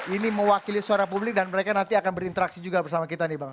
ini mewakili suara publik dan mereka nanti akan berinteraksi juga bersama kita nih bang